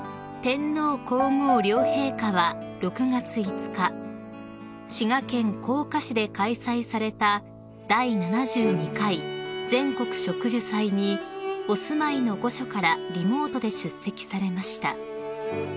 ［天皇皇后両陛下は６月５日滋賀県甲賀市で開催された第７２回全国植樹祭にお住まいの御所からリモートで出席されました］